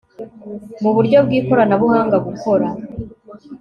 mu buryo bw ikoranabuhanga gukora